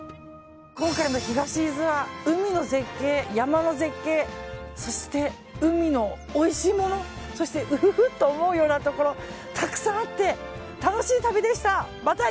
今回の東伊豆は海の絶景、山の絶景そして、海のおいしいものそしてうふふと思うようなところたくさんあって楽しい旅でした。